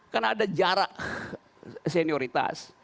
karena ada jarak senioritas